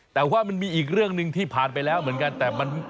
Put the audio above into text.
แต่ว่ามันมีอีกเรื่องหนึ่งที่ผ่านไปแล้วเหมือนกันแต่มัน